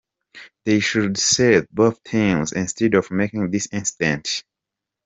They should serve both teams instead of making this incident.